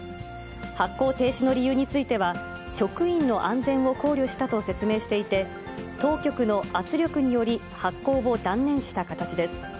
発行停止の理由については、職員の安全を考慮したと説明していて、当局の圧力により、発行を断念した形です。